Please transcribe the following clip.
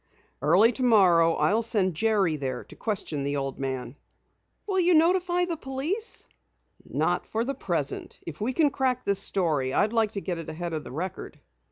"Early tomorrow I'll send Jerry there to question the old Jap." "Will you notify the police?" "Not for the present. If we can crack this story I'd like to get it ahead of the Record."